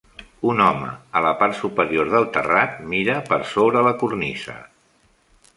Un home a la part superior del terrat mira per sobre la cornisa.